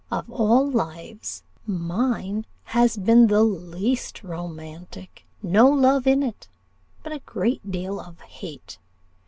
Of all lives, mine has been the least romantic. No love in it, but a great deal of hate.